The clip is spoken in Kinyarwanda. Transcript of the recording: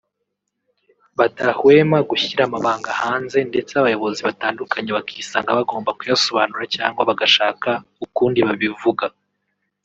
badahwema gushyira amabanga hanze ndetse abayobozi batandukanye bakisanga bagomba kuyasobanura cyangwa bagashaka ukundi babivuga